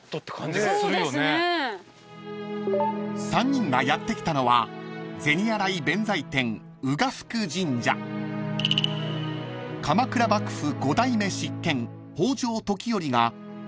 ［３人がやって来たのは］［鎌倉幕府５代目執権］